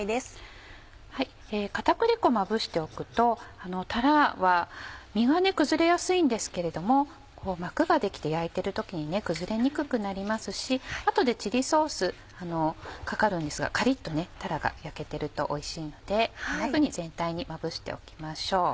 片栗粉まぶしておくとたらは身が崩れやすいんですけれども膜が出来て焼いてる時に崩れにくくなりますし後でチリソースかかるんですがカリっとたらが焼けてるとおいしいのでこんなふうに全体にまぶしておきましょう。